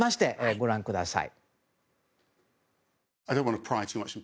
ご覧ください。